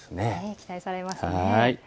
期待されますね。